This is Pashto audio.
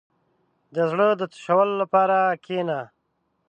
• د زړۀ د تشولو لپاره کښېنه.